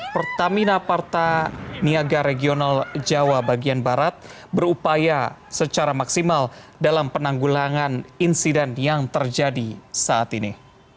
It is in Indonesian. pertamina parta niaga regional jawa bagian barat berupaya secara maksimal dalam penanggulangan insiden yang terjadi saat ini